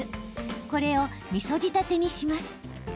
これを、みそ仕立てにします。